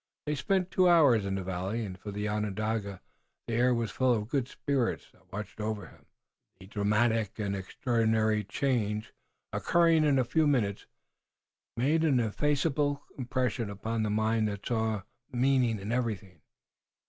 They spent two hours in the valley, and for the Onondaga the air was full of the good spirits that watched over him. The dramatic and extraordinary change, occurring in a few minutes, made an ineffaceable impression upon a mind that saw meaning in everything.